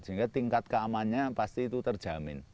sehingga tingkat keamanannya pasti itu terjamin